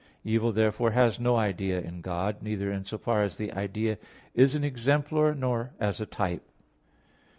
Evil, therefore, has no idea in God, neither in so far as an idea is an "exemplar" nor as a "type."